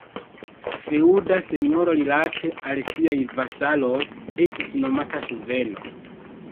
Feŭda senjoro rilate al siaj vasaloj estis nomata suvereno.